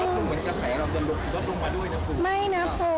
แล้วคุณเหมือนกระแสเราจะลดลงมาด้วยนะคุณ